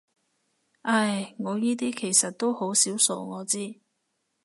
唉，我依啲其實到好少數我知